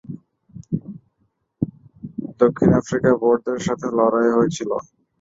দক্ষিণ আফ্রিকায় বোর দের সাথে লড়াই হয়েছিল।